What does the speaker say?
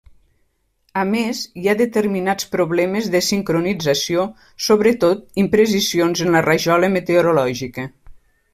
A més, hi ha determinats problemes de sincronització, sobretot imprecisions en la rajola meteorològica.